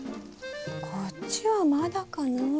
こっちはまだかな。